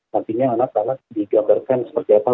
nantinya anak anak digambarkan seperti apa